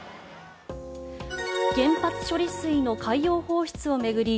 原発処理水の海洋放出を巡り